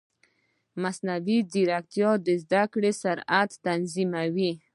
مصنوعي ځیرکتیا د زده کړې سرعت تنظیموي.